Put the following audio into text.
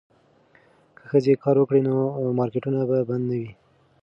که ښځې کار وکړي نو مارکیټونه به بند نه وي.